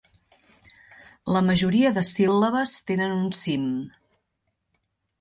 La majoria de síl·labes tenen un cim.